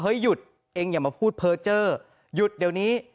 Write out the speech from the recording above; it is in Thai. เฮ้ยหยุดอย่ามาพูดเผลอเจ้อหยุดเดี๋ยวนี้